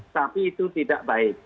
tapi itu tidak baik